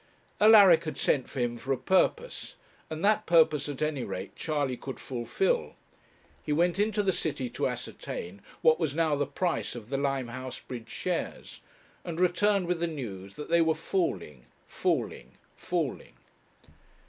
Alaric had sent for him for a purpose, and that purpose at any rate Charley could fulfil. He went into the city to ascertain what was now the price of the Limehouse bridge shares, and returned with the news that they were falling, falling, falling.